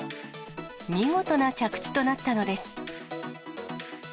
見事な着地となったのです。